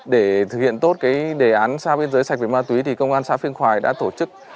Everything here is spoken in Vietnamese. để thực hiện tốt cái đề án xã biên giới sạch về ma túy thì công an xã phiên khoài đã tổ chức